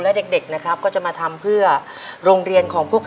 ในแคมเปญพิเศษเกมต่อชีวิตโรงเรียนของหนู